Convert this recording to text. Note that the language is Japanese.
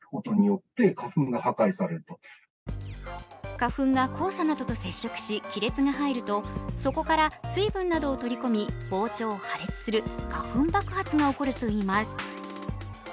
花粉が黄砂などと接触し亀裂が入ると、そこから水分などを取り込み膨張・破裂する花粉爆発が起こるといいます。